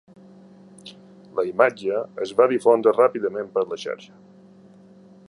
La imatge es va difondre ràpidament per la xarxa.